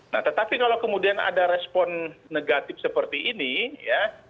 nah tetapi kalau kemudian ada respon negatif seperti ini ya